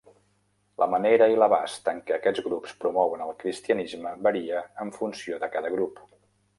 La manera i l'abast en què aquests grups promouen el cristianisme varia en funció de cada grup.